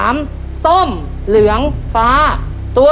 เร็วเร็วเร็ว